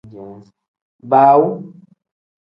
Baawu.